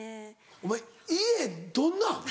お前家どんなん？